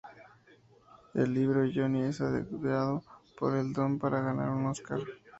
En el libro, Johnny es ayudado por el Don para ganar un Óscar.